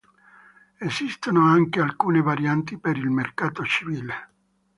Esistono anche alcune varianti per il mercato civile.